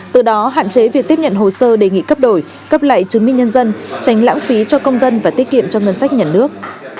từ đó hạn chế việc tiếp nhận hồ sơ đề nghị cấp đổi cấp lại chứng minh nhân dân tránh lãng phí cho công dân và tiết kiệm cho ngân sách nhà nước